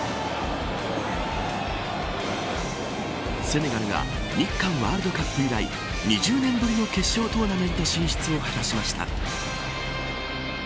セネガルが日韓ワールドカップ以来２０年ぶりの決勝トーナメント進出を果たしました。